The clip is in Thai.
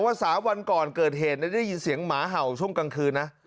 ๓วันก่อนเกิดเหตุได้ยินเสียงหมาเห่าช่วงกลางคืนนะ